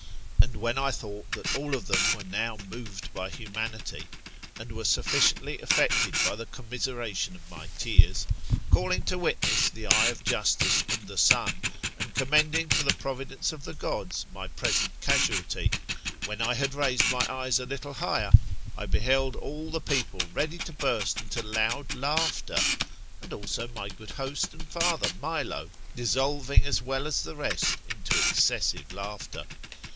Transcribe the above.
And when I thought that all of them were now moved by humanity, and were sufficiently affected by the commiseration of my tears ; calling to witness the eye of Justice and the Sun, and commending to the providence of the Gods my present casualty, when I had raisid my eyes a little higher, I beheld all the people ready to burst into loud laughter, and also my good host and father Milo dissolving as well as the rest into excessive laughter.